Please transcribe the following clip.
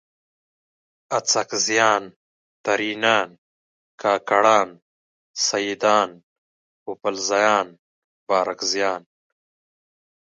اڅکزیان، ترینان، کاکړان، سیدان ، پوپلزیان، بارکزیان